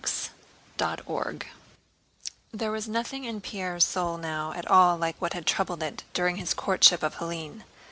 CHAPTER XIX There was nothing in Pierre's soul now at all like what had troubled it during his courtship of Hélène.